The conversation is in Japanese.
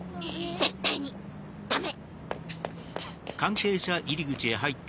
絶対にダメ！